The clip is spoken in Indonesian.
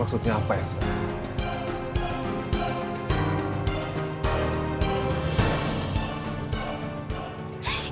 maksudnya apa ya sayang